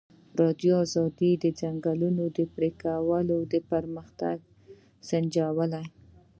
ازادي راډیو د د ځنګلونو پرېکول پرمختګ سنجولی.